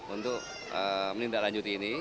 untuk menindaklanjuti ini